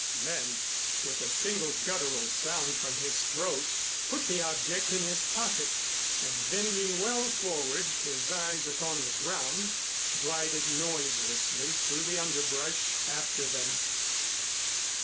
Then with a single guttural sound from his throat, put the object in his pocket and bending well forward, his eyes upon the ground, glided noiselessly through the underbrush after them.